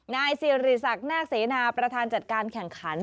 นายสิริศักดิ์นาคเสนาประธานจัดการแข่งขัน